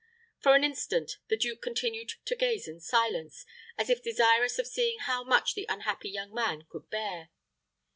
For an instant, the duke continued to gaze in silence, as if desirous of seeing how much the unhappy young man could bear.